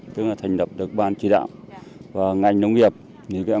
tức là thành lập được ban chỉ đạo và ngành nông nghiệp